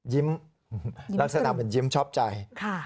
ยิ้มลักษณะเป็นยิ้มชอบใจ